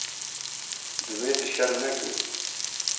Divê tu şerm nekî.